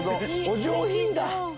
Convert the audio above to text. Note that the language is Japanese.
お上品だ。